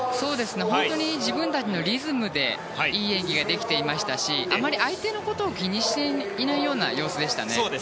本当に自分たちのリズムでいい演技ができていましたしあまり相手のことを気にしていないような様子でしたね。